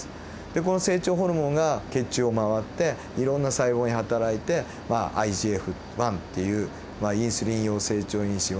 でこの成長ホルモンが血中を回っていろんな細胞にはたらいてＩＧＦ−１っていうインスリン様成長因子